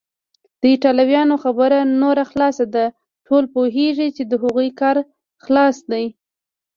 د ایټالویانو خبره نوره خلاصه ده، ټوله پوهیږي چې د هغوی کار خلاص دی.